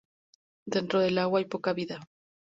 Dentro del agua hay poca vida.